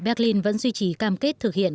berlin vẫn duy trì cam kết thực hiện